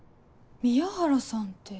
宮原さんって。